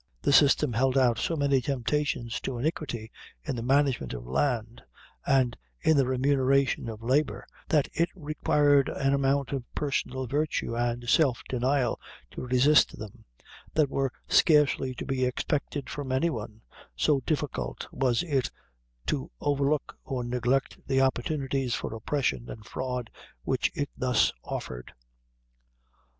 The system held out so many temptations to iniquity in the management of land, and in the remuneration of labor, that it required an amount of personal virtue and self denial to resist them, that were scarcely to be expected from any one, so difficult was it to overlook or neglect the opportunities for oppression and fraud which it thus offered.